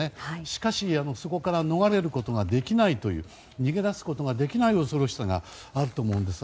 しかし、そこから逃れることができないという逃げ出すことができない恐ろしさがあると思うんです。